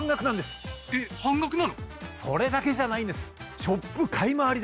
それだけじゃないんです。